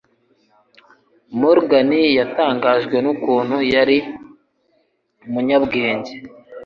Morgan yatangajwe n'ukuntu yari umunyabwenge